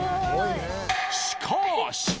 しかし！